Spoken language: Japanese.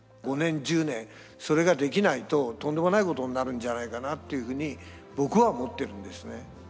５年１０年それができないととんでもないことになるんじゃないかなというふうに僕は思ってるんですね。